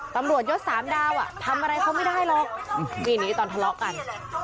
ตำรวจยศสามดาวอ่ะทำอะไรเขาไม่ได้หรอกนี่นี้ตอนทะเลาะกัน